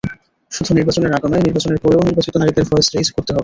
শুধু নির্বাচনের আগে নয়, নির্বাচনের পরেও নির্বাচিত নারীদের ভয়েস রেইজ করতে হবে।